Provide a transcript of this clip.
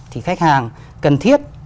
thì khách hàng cần thiết